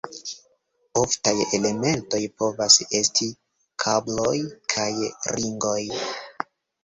Oftaj elementoj povas esti kabloj, kaj ringoj.